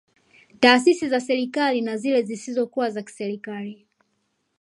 Taasisi za kiserikali na zile zisizo kuwa za kiserikali